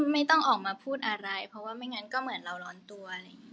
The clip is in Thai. ไม่ต้องออกมาพูดอะไรเพราะว่าไม่งั้นก็เหมือนเราร้อนตัวอะไรอย่างนี้